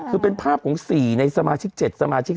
คือเป็นภาพของ๔ในสมาชิก๗สมาชิก